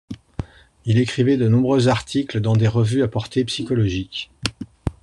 Il écrivit de nombreux articles dans des revues à portée psychologique.